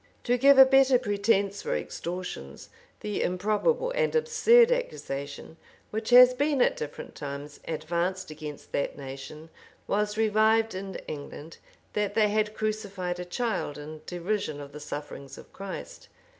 To give a better pretence for extortions, the improbable and absurd accusation, which has been at different times advanced against that nation, was revived in England, that they had crucified a child in derision of the sufferings of Christ.